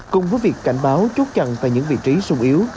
cùng với việc cảnh báo chốt chặn tại những vị trí sung yếu